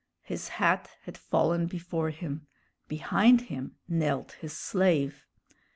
His hat had fallen before him; behind him knelt his slave.